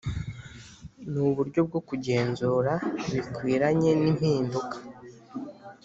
N Uburyo Bwo Kugenzura Bikwiranye N Impinduka